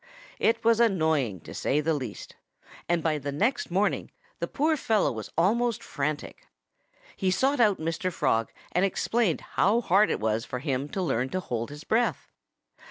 It was annoying, to say the least. And by the next morning the poor fellow was almost frantic. He sought out Mr. Frog and explained how hard it was for him to learn to hold his breath.